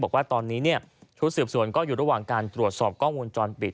บอกว่าตอนนี้ชุดสืบสวนก็อยู่ระหว่างการตรวจสอบกล้องวงจรปิด